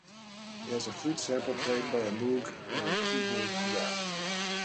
It has a flute sample played by a moog or keyboard throughout.